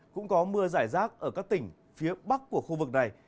cũng có mưa giải rác ở các tỉnh phía bắc của khu vực này